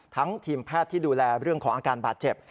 ทีมแพทย์ที่ดูแลเรื่องของอาการบาดเจ็บ